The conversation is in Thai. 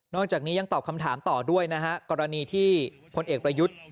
จากนี้ยังตอบคำถามต่อด้วยนะฮะกรณีที่พลเอกประยุทธ์